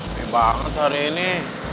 ini banget hari ini